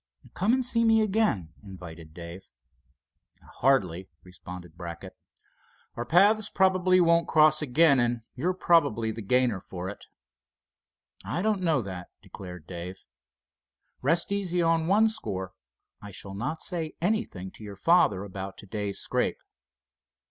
"Come and see me again," invited Dave. "Hardly," responded Brackett. "Our paths probably won't cross again—and you're probably the gainer for it." "I don't know that," declared Dave. "Rest easy on one score—I shall not say anything to your father about to day's scrape."